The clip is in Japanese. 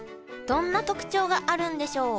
どんな特徴があるんでしょう？